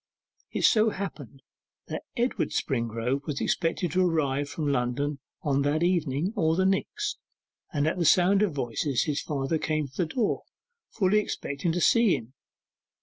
It so happened that Edward Springrove was expected to arrive from London either on that evening or the next, and at the sound of voices his father came to the door fully expecting to see him.